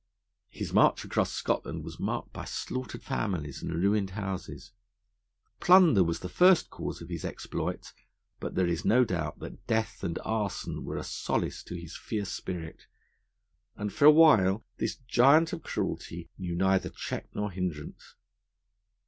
His march across Scotland was marked by slaughtered families and ruined houses. Plunder was the first cause of his exploits, but there is no doubt that death and arson were a solace to his fierce spirit; and for a while this giant of cruelty knew neither check nor hindrance.